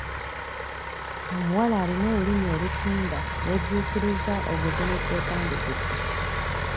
Omuwala alina olulimi olutunda wejjuukiriza oguze ne ky'otandiguze.